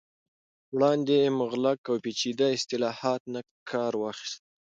وړاندې مغلق او پیچیده اصطلاحاتو نه کار واخست